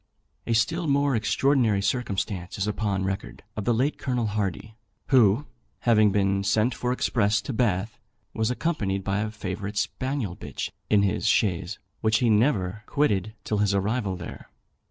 A still more extraordinary circumstance is upon record, of the late Colonel Hardy, who, having been sent for express to Bath, was accompanied by a favourite spaniel bitch in his chaise, which he never quitted till his arrival there.